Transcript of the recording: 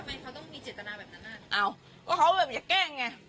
เอ้าก็เขาแบบอยากแกล้งไง